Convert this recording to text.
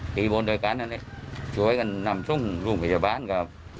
จุดอยู่ให้กันนำชุ่มลูกพยาบาลก็